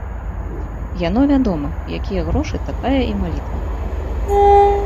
Яно вядома, якія грошы, такая і малітва.